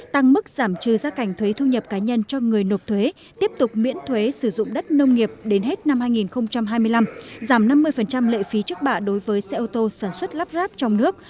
tăng mức giảm trừ giá cảnh thuế thu nhập cá nhân cho người nộp thuế tiếp tục miễn thuế sử dụng đất nông nghiệp đến hết năm hai nghìn hai mươi năm giảm năm mươi lệ phí trước bạ đối với xe ô tô sản xuất lắp ráp trong nước